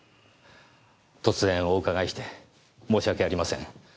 突然お伺いして申し訳ありません。